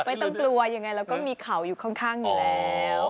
ไม่ต้องกลัวยังไงแล้วก็มีเข่าอยู่ข้างอยู่แล้ว